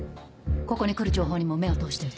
ここに来る情報にも目を通しておいて。